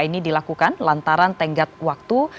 ini dilakukan lantaran tenggat waktu